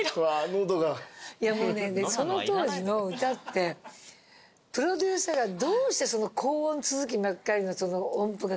その当時の歌ってプロデューサーがどうしてその高音続きばっかりの音符がくる。